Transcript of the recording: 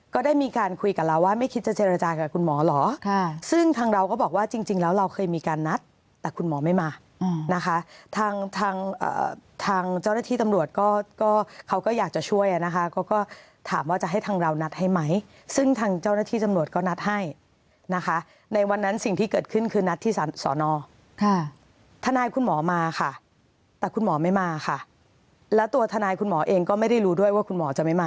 ก็ได้มีการคุยกับเราว่าไม่คิดจะเจรจากับคุณหมอหรอซึ่งทางเราก็บอกว่าจริงแล้วเราเคยมีการนัดแต่คุณหมอไม่มานะคะทางทางทางเจ้าหน้าที่ตำรวจก็ก็เขาก็อยากจะช่วยนะคะก็ก็ถามว่าจะให้ทางเรานัดให้ไหมซึ่งทางเจ้าหน้าที่ตำรวจก็นัดให้นะคะในวันนั้นสิ่งที่เกิดขึ้นคือนัดที่สอนอค่ะทนายคุณหมอมาค่ะแต่คุณหมอไม่